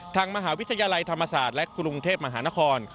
ทางมหาวิทยาลัยธรรมศาสตร์และกรุงเทพมหานคร